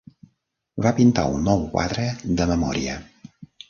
Va pintar un nou quadre de memòria.